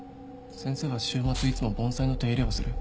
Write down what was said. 先生は週末いつも盆栽の手入れをする。